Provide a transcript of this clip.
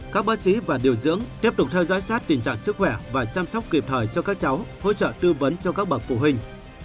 các bác sĩ và điều dưỡng tiếp tục theo dõi sát tình trạng sức khỏe và chăm sóc kịp thời cho các cháu hỗ trợ tư vấn cho các bậc phụ huynh